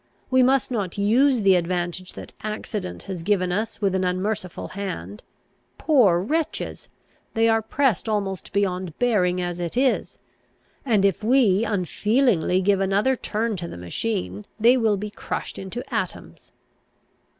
We must not use the advantage that accident has given us with an unmerciful hand. Poor wretches! they are pressed almost beyond bearing as it is; and, if we unfeelingly give another turn to the machine, they will be crushed into atoms."